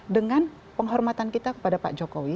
dengan penghormatan kita kepada pak jokowi